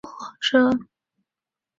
宗尧也十分的尽力重整藩中财政。